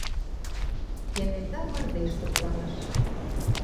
Кенета мардеж тыпланыш.